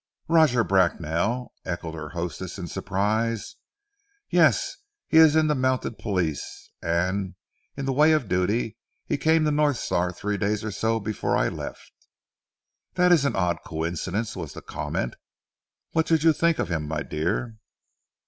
"Roger Bracknell!" echoed her hostess in surprise. "Yes, he is in the Mounted Police, and, in the way of duty, he came to North Star, three days or so before I left." "That is an odd coincidence," was the comment. "What did you think of him, my dear?"